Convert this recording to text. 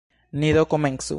Ni do komencu.